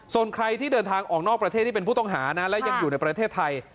ส่วนใครที่เดินทางออกนอกประเทศที่เป็นผู้ต้องหานะและยังอยู่ในประเทศไทย